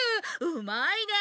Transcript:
うまいね！